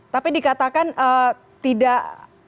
tapi dikatakan tidak